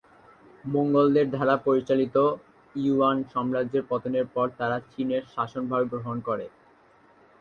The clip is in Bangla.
মঙ্গোলদের দ্বারা পরিচালিত ইউয়ান সাম্রাজ্যের পতনের পর তারা চিনের শাসনভার গ্রহণ করে।